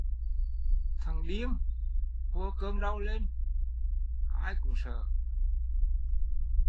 Thằng điên huơ cơn đao lên, ai cũng sợ